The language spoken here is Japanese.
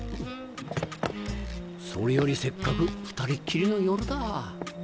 それよりせっかく２人っきりの夜だ。